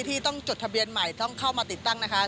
ที่ต้องจดทะเบียนใหม่ต้องเข้ามาติดตั้งนะคะ